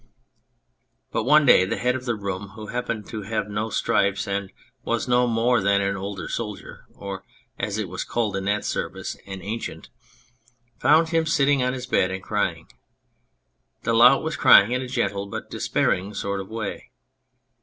But one day the head of the room who happened to have no stripes and was no more than an older soldier, or, as it was called in that service, " an ancient," found him sitting on his bed and crying. The lout was crying in a gentle but despairing sort of way.